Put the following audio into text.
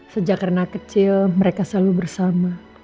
sejak renang kecil mereka selalu bersama